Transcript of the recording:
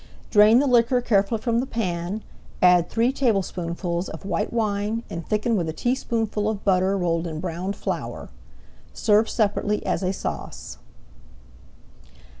Drain the liquor carefully from the pan, add three tablespoonfuls of white wine, and thicken with a teaspoonful of butter rolled in browned flour. Serve separately as a sauce.